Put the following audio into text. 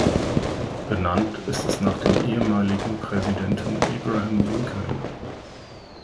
Benannt ist es nach dem ehemaligen Präsidenten Abraham Lincoln.